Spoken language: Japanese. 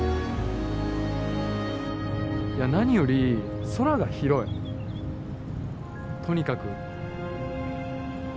いや何より空が広いとにかく。